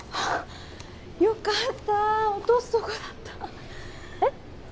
よかった落とすとこだったえっ？